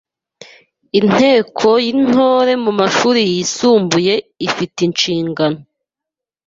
Inteko y’Intore mu mashuri yisumbuye ifi te inshingano